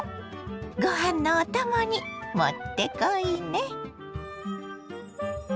ごはんのお供にもってこいね！